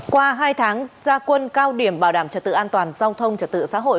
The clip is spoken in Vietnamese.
qua hai tháng gia quân cao điểm bảo đảm trật tự an toàn giao thông trật tự xã hội